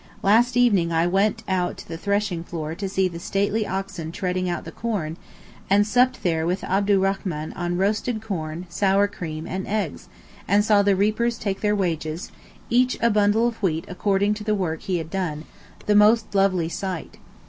Last evening I went out to the threshing floor to see the stately oxen treading out the corn, and supped there with Abdurachman on roasted corn, sour cream, and eggs, and saw the reapers take their wages, each a bundle of wheat according to the work he had done—the most lovely sight.